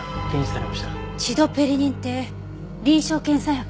チドペリニンって臨床検査薬の？